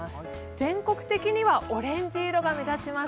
全国的にはオレンジ色が目立ちます。